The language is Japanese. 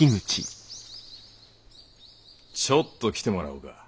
ちょっと来てもらおうか。